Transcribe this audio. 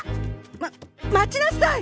まっ待ちなさい！